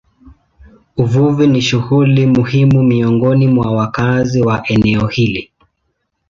Uvuvi ni shughuli muhimu miongoni mwa wakazi wa eneo hili.